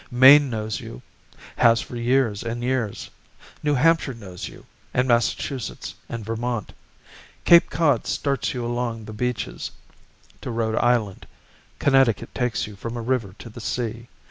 Maine knows you, Has for years and years; New Hampshire knows you, And Massachusetts And Vermont. Cape Cod starts you along the beaches to Rhode Island; Connecticut takes you from a river to the sea.